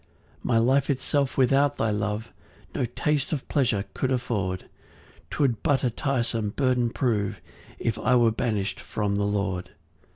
6 My life itself without thy love No taste of pleasure could afford; 'Twould but a tiresome burden prove, If I were banish'd from the Lord.